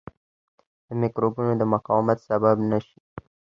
د مکروبونو د مقاومت سبب نه شي.